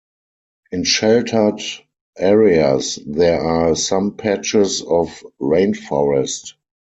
In sheltered areas there are some patches of rainforest.